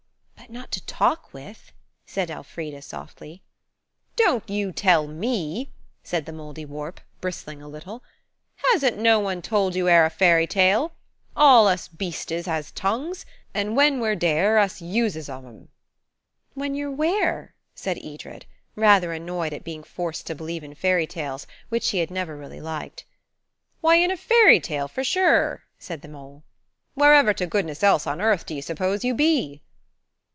"But not to talk with?" said Elfrida softly. "Don't you tell me," said the Mouldiwarp, bristling a little. "Hasn't no one told you e'er a fairy tale? All us beastes has tongues, and when we're dere us uses of en." "When you're where?" said Edred, rather annoyed at being forced to believe in fairy tales, which he had never really liked. "Why, in a fairy tale for sure," said the mole. "Wherever to goodness else on earth do you suppose you be?"